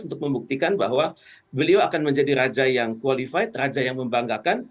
untuk membuktikan bahwa beliau akan menjadi raja yang qualified raja yang membanggakan